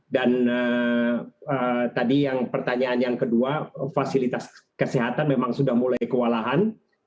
dan tadi yang pertanyaan yang kedua fasilitas kesehatan memang sudah mulai kewalahan